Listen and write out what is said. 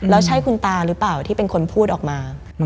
แล้วใช่คุณตาหรือเปล่าที่เป็นคนพูดออกมา